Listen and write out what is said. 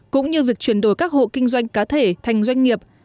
cũng như việc chuyển đổi các hộ kinh doanh cá thể thành doanh nghiệp